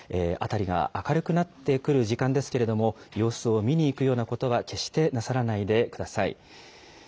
辺りが明るくなってくる時間ですけれども、様子を見に行くようなことは決してなさらないでください。